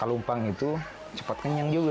lumpang itu cepat kenyang juga